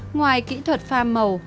ngoài kỹ thuật pha màu